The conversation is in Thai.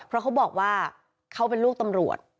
เพราะเขาบอกว่าเขาเป็นลูกตำรวจ